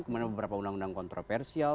kemudian beberapa undang undang kontroversial